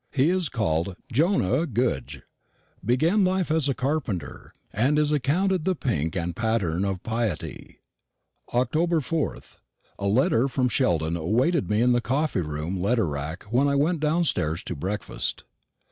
He is called Jonah Goodge, began life as a carpenter, and is accounted the pink and pattern of piety. Oct. 4th. A letter from Sheldon awaited me in the coffee room letter rack when I went downstairs to breakfast.